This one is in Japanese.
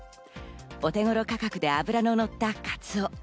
お手頃価格で脂ののったカツオ。